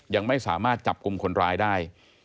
ยังไม่สามารถจับกลุ่มคนร้ายได้